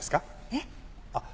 えっ。